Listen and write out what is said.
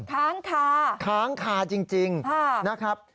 ค้างคาค้างคาจริงนะครับ